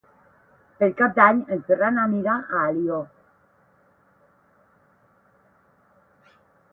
Per Cap d'Any en Ferran anirà a Alió.